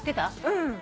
うん。